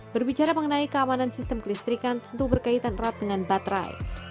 berbicara mengenai keamanan sistem kelistrikan tentu berkaitan erat dengan baterai